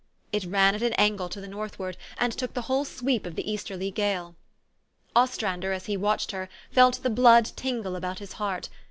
It ran at an angle to the northward, and took the whole sweep of the easterly gale. Ostrander, as he watched her, felt the blood tingle about his heart.